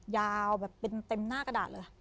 ยาวแบบเต็มหน้ากระดาษเลย